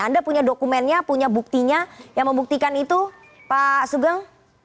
anda punya dokumennya punya buktinya yang membuktikan itu pak sugeng